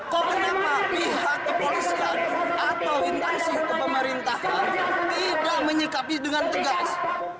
kok kenapa pihak kepolisian atau intensif ke pemerintahan tidak menyikapi dengan tegas